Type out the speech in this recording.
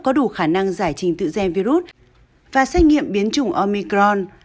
có đủ khả năng giải trình tự gen virus và xét nghiệm biến chủng omicron